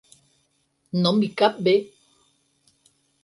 No m'hi cap bé.